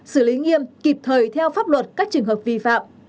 xử lý nghiêm kịp thời theo pháp luật các trường hợp vi phạm